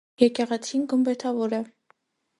Եկեղեցին գմբեթավոր է։